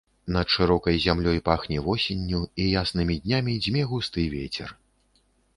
Над шырокай зямлёй пахне восенню, і яснымі днямі дзьме густы вецер.